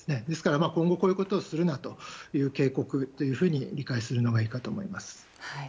ですから今後こういうことをするなという警告というふうに理解するのがいいかと思います。